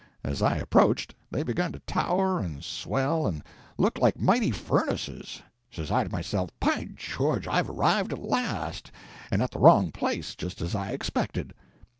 As I approached, they begun to tower and swell and look like mighty furnaces. Says I to myself— "By George, I've arrived at last—and at the wrong place, just as I expected!"